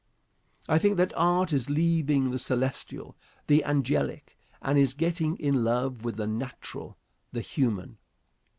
I think that art is leaving the celestial, the angelic, and is getting in love with the natural, the human.